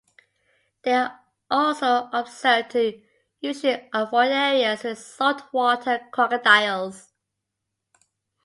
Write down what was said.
They are also observed to usually avoid areas with saltwater crocodiles.